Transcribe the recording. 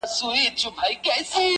کورونا جدي وګڼئ!!.